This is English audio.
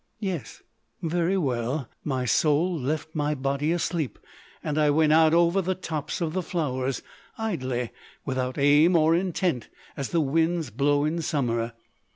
"Yes." "Very well. My soul left my body asleep and I went out over the tops of the flowers—idly, without aim or intent—as the winds blow in summer....